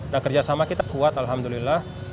dan kerjasama kita kuat alhamdulillah